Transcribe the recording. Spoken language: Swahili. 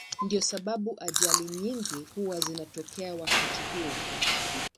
Ndiyo sababu ajali nyingi huwa zinatokea wakati huo.